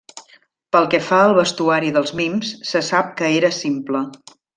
Pel que fa al vestuari dels mims se sap que era simple.